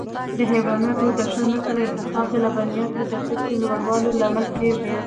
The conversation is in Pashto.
د حیواناتو د ښه نسل انتخاب د لبنیاتو د کچې لوړولو لامل کېږي.